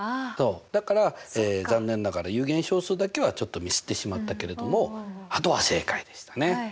だから残念ながら有限小数だけはちょっとミスってしまったけれどもあとは正解でしたね！